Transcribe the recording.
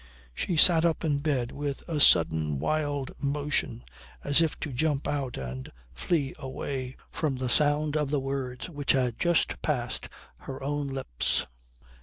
She sat up in bed with a sudden wild motion as if to jump out and flee away from the sound of the words which had just passed her own lips.